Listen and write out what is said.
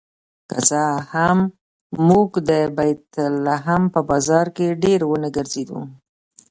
که څه هم موږ د بیت لحم په بازار کې ډېر ونه ګرځېدو.